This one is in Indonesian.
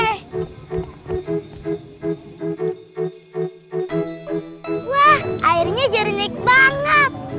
wah airnya jernik banget